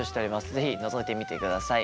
是非のぞいてみてください。